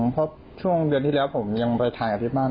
เพราะช่วงเดือนที่แล้วผมยังไปทานกับที่บ้าน